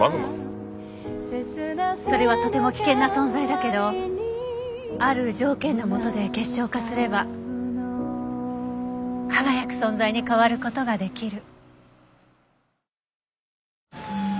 それはとても危険な存在だけどある条件のもとで結晶化すれば輝く存在に変わる事ができる。